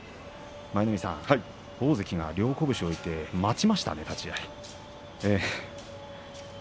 舞の海さん、大関両拳を手について待ちましたね立ち合い。